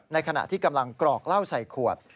ขณะที่กำลังกรอกเหล้าใส่ขวด